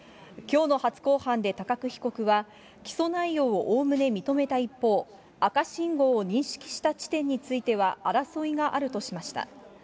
きょうの初公判で高久被告は、起訴内容をおおむね認めた一方、赤信号を認識した地点については、争いがあるとしました。